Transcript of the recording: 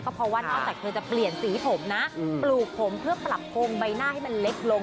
เพราะว่านอกจากเธอจะเปลี่ยนสีผมนะปลูกผมเพื่อปรับโครงใบหน้าให้มันเล็กลง